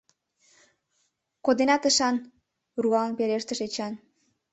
— Кодена тышан! — руалын пелештыш Эчан.